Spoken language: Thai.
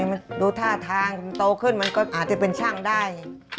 มันดูท่าทางโตขึ้นมันก็อาจจะเป็นช่างได้